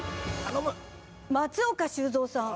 松岡修造さん